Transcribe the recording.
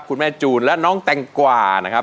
คุณแม่จูนและน้องแตงกว่านะครับ